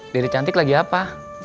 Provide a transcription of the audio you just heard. dede cantik lagi apa